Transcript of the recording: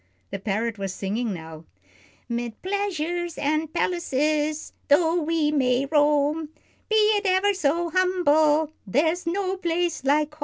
The parrot was singing now: "'Mid pleasures and palaces, though we may roam, Be it ever so humble, there's no place like home.